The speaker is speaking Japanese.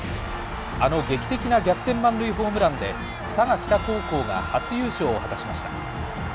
あの劇的な逆転満塁ホームランで佐賀北高校が初優勝を果たしました。